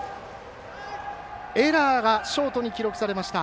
エラーがショートに記録されました。